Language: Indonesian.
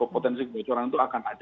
potensi kebocoran itu akan ada